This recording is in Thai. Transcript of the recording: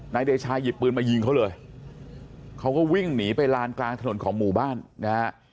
เดชายิบปืนมายิงเขาเลยเขาก็วิ่งหนีไปลานกลางถนนของหมู่บ้านนะฮะ